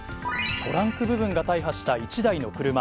トランク部分が大破した一台の車。